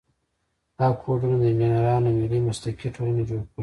دا کودونه د انجینرانو ملي مسلکي ټولنې جوړ کړي.